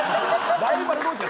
ライバルで？